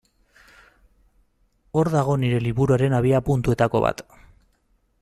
Hor dago nire liburuaren abiapuntuetako bat.